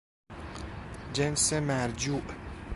جنس مرجوع